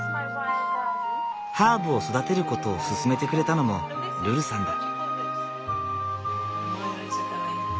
ハーブを育てることを勧めてくれたのもルルさんだ。